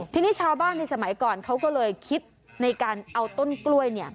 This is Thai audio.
ทีนี้ชาวบ้านในสมัยก่อนเขาก็เลยคิดในการเอาต้นกล้วย